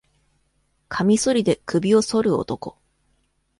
かみそりで首を剃る男。